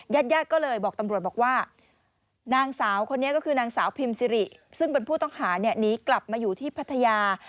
ญาติญาติก็เลยบอกตำรวจบอกว่านางสาวคนนี้ก็คือนางสาวพิมซิริซึ่งเป็นผู้ต้องหาเนี่ยหนีกลับมาอยู่ที่พัทยา